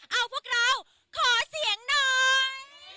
เอาพวกเราขอเสียงหน่อย